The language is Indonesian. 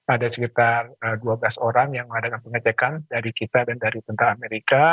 ada sekitar dua belas orang yang mengadakan pengecekan dari kita dan dari tentara amerika